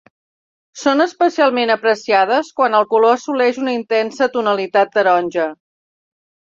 Són especialment apreciades quan el color assoleix una intensa tonalitat taronja.